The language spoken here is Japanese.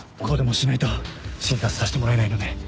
こうでもしないと診察させてもらえないので。